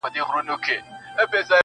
o مړی هر وخت په قيامت رضا وي٫